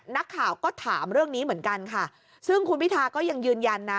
นักข่าวก็ถามเรื่องนี้เหมือนกันค่ะซึ่งคุณพิทาก็ยังยืนยันนะ